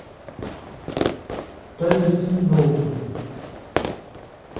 Pareci Novo